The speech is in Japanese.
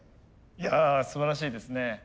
いやすばらしいですね。